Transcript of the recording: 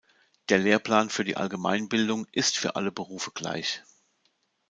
Der Lehrplan für die Allgemeinbildung ist für alle Berufe gleich.